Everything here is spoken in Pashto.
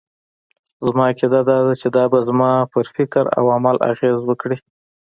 زما عقيده دا ده چې دا به زما پر فکراو عمل اغېز وکړي.